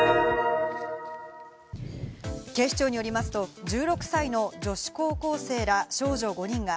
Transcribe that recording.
警視庁によりますと１６歳の女子高校生ら少女５人は